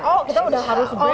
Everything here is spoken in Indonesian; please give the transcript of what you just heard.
oh kita udah harus break nih